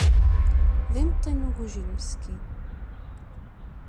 D imeṭṭi n ugujil meskin.